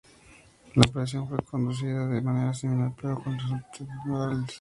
La operación fue conducida de manera similar pero con resultados más mortales.